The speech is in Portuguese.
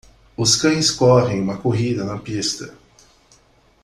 Os cães correm uma corrida na pista.